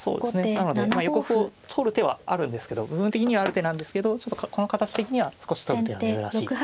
なので横歩を取る手はあるんですけど部分的にはある手なんですけどちょっとこの形的には少し取る手は珍しい手。